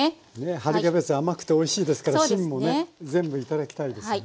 春キャベツ甘くておいしいですから芯もね全部頂きたいですよね。